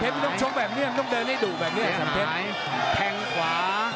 ตีดปะ